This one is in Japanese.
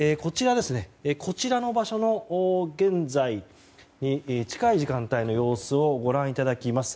こちらの場所の現在、近い時間帯の様子をご覧いただきます。